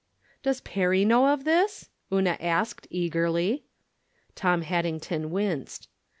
" Does Perry know of this ?" Una asked, ea gerly, Tom Haddington winced.